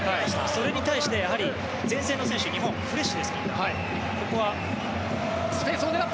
それに対して前線の選手、日本フレッシュです、みんな。